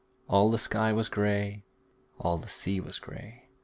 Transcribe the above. All the sky was grey, and all the sea was grey.